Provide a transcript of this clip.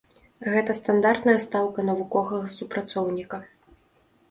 Гэта стандартная стаўка навуковага супрацоўніка.